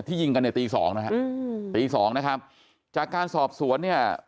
ยิงกันในตีสองนะฮะอืมตีสองนะครับจากการสอบสวนเนี่ย